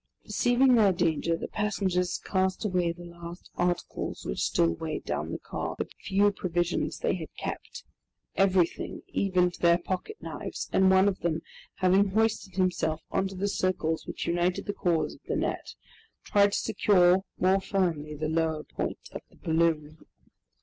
Perceiving their danger, the passengers cast away the last articles which still weighed down the car, the few provisions they had kept, everything, even to their pocket knives, and one of them, having hoisted himself on to the circles which united the cords of the net, tried to secure more firmly the lower point of the balloon.